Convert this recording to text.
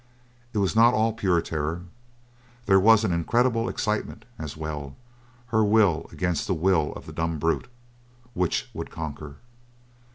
It was not all pure terror. There was an incredible excitement as well her will against the will of the dumb brute which would conquer?